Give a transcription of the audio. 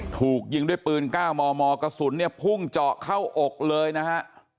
ถูกยิงด้วยปืน๙มมกระสุนเนี่ยพุ่งเจาะเข้าอกเลยนะฮะ